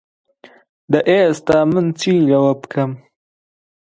دە ئێستا من چی لەوە بکەم؟